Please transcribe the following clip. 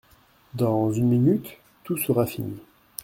Dans une minute tout sera fini.